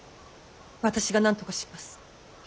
私がなんとかします。